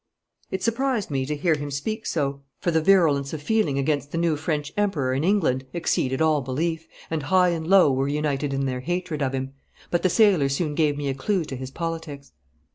It surprised me to hear him speak so, for the virulence of feeling against the new French Emperor in England exceeded all belief, and high and low were united in their hatred of him; but the sailor soon gave me a clue to his politics.